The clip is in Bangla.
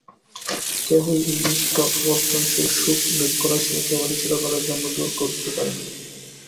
কেহই এই নিত্য-আবর্তনশীল সুখ-দুঃখরাশি একেবারে চিরকালের জন্য দূর করিতে পারে না।